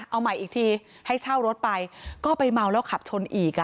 เอาใหม่อีกทีให้เช่ารถไปก็ไปเมาแล้วขับชนอีก